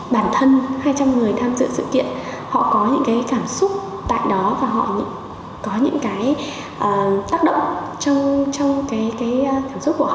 bản thân hai trăm linh người tham dự sự kiện họ có những cái cảm xúc tại đó và họ có những cái tác động trong cái cảm xúc của họ